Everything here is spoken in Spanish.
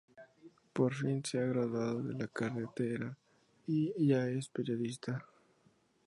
Por fin se ha graduado de la carrera, y ya es periodista.